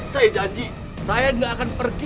saya janji saya gak akan pergi